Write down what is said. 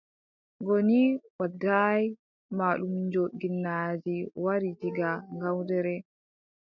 Goni Wadaay, mallumjo ginnaaji wari diga Ngawdere.